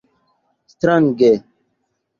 Strange.